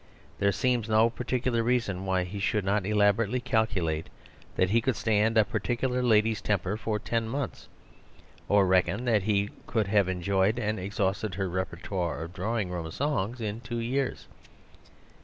There seems no particular reason why he should not elaborately calculate that he could stand a par ticular lady's temper for ten months ; or reckon that he would have enjoyed and exhausted her repertoire of drawing room songs in two years.